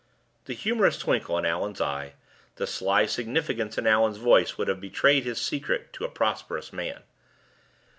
The humorous twinkle in Allan's eye, the sly significance in Allan's voice, would have betrayed his secret to a prosperous man.